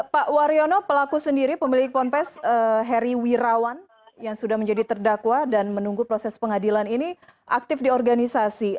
pak waryono pelaku sendiri pemilik ponpes heri wirawan yang sudah menjadi terdakwa dan menunggu proses pengadilan ini aktif di organisasi